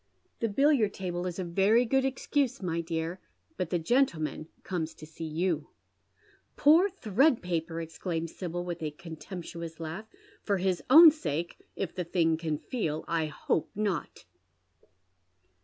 "" The billiard table is a very good excuse, my dear, but the jfciitleman comes to see you." "Poor tliread paper! " exclaimed Sibyl, with a contemptuoaa laugh. " For hia own sake — if the thing can foci — I hope not."